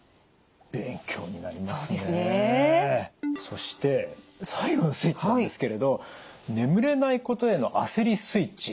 そして最後のスイッチなんですけれど眠れないことへの焦りスイッチ